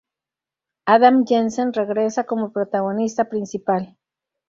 Adam Jensen regresa como protagonista principal.